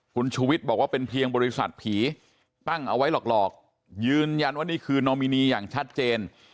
คุณชูวิทย์บอกว่าเป็นเพียงบริษัทผีตั้งเอาไว้หลอกยืนยันว่านี่คือนอมินีอย่างชัดเจน